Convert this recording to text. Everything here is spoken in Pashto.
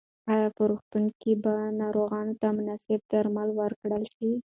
ایا په روغتون کې به ناروغ ته مناسب درمل ورکړل شي؟